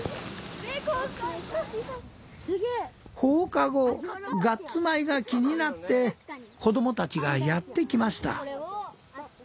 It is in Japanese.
放課後ガッツ米が気になって子供たちがやって来ました。